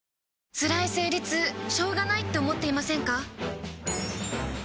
つらい生理痛しょうがないって思っていませんか？